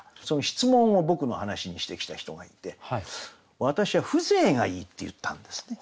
質問を僕の話にしてきた人がいて私は「風情がいい」って言ったんですね。